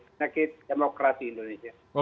penyakit demokrasi indonesia